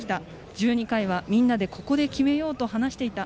１２回は、みんなでここで決めようと話していた。